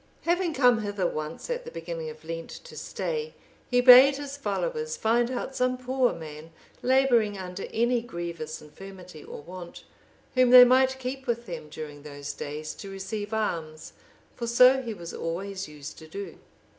Having come hither once at the beginning of Lent to stay, he bade his followers find out some poor man labouring under any grievous infirmity, or want, whom they might keep with them during those days, to receive alms, for so he was always used to do.